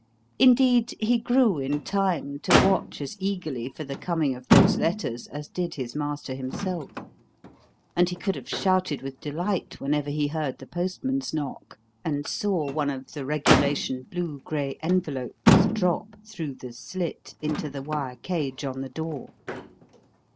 Indeed, he grew, in time, to watch as eagerly for the coming of those letters as did his master himself; and he could have shouted with delight whenever he heard the postman's knock, and saw one of the regulation blue grey envelopes drop through the slit into the wire cage on the door.